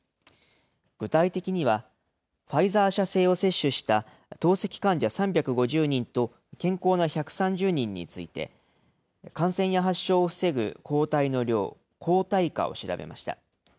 具体的には、ファイザー社製を接種した透析患者３５０人と健康な１３０人について、感染や発症を防ぐ抗体の量、抗体価を調べました。